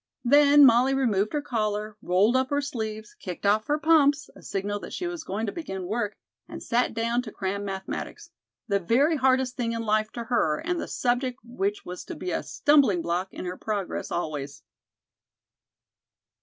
Then Molly removed her collar, rolled up her sleeves, kicked off her pumps a signal that she was going to begin work and sat down to cram mathematics, the very hardest thing in life to her and the subject which was to be a stumbling block in her progress always.